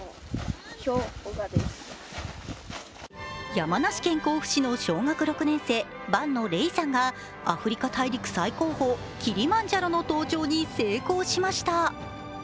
山梨県甲府市の小学６年生伴野嶺さんが、アフリカ大陸最高峰、キリマンジャロの登頂に成功しました。